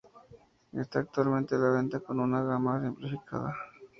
Está actualmente a la venta con una gama simplificada.